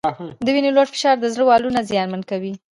د وینې لوړ فشار د زړه والونه زیانمن کوي.